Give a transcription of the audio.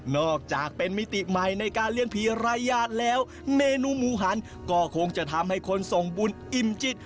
อกจากเป็นมิติใหม่ในการเลี้ยงผีรายญาติแล้วเมนูหมูหันก็คงจะทำให้คนส่งบุญอิ่มจิต